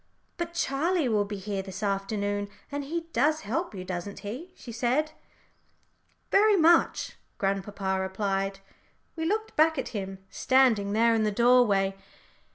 "But Charlie will be here this afternoon, and he does help you, doesn't he?" she said. "Very much," grandpapa replied. We looked back at him, standing there in the doorway.